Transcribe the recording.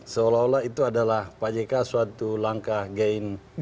seolah olah itu adalah pak jk suatu langkah gain